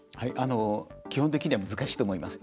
基本的には難しいと思います。